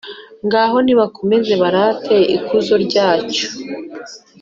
Ngaho nibakomeze barate ikuzo ryacyo,